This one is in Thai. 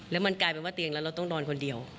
แล้วมันกลายเป็นว่าเตียงแล้วเราต้องนอนคนเดียว